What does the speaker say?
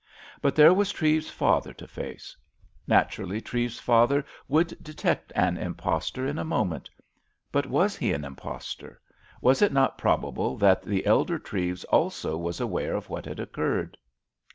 But there was Treves's father to face. Naturally Treves's father would detect an impostor in a moment. But was he an impostor; was it not probable that the elder Treves also was aware of what had occurred?